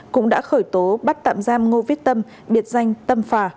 cũng đã khởi tố bắt tạm giam ngô viết tâm biệt danh tâm phà